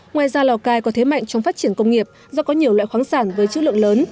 ngoài ra lào cai có thế mạnh trong phát triển công nghiệp do có nhiều loại khoáng sản với chữ lượng lớn